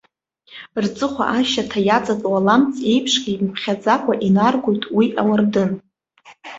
Рҵыхәа ашьаҭа иаҵатәоу аламҵ еиԥшгьы имԥхьаӡакәа инаргоит уи ауардын.